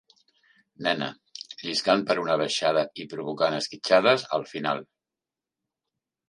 Nena, lliscant per una baixada i provocant esquitxades, al final.